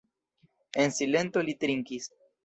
En silento li trinkis.